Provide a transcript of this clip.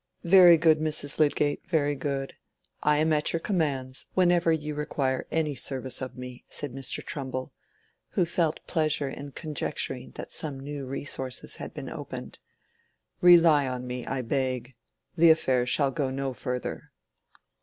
"Very good, Mrs. Lydgate, very good. I am at your commands, whenever you require any service of me," said Mr. Trumbull, who felt pleasure in conjecturing that some new resources had been opened. "Rely on me, I beg. The affair shall go no further."